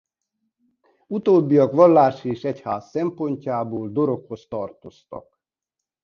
Utóbbiak vallás és egyház szempontjából Doroghoz tartoztak.